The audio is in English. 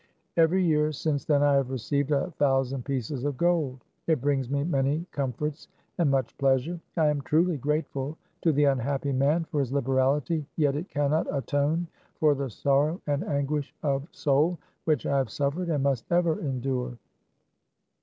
Every year since then I have received a thou sand pieces of gold. It brings me many com forts and much pleasure. I am truly grateful to the unhappy man for his liberality, yet it can not atone for the sorrow and anguish of soul which I have suffered, and must ever endure.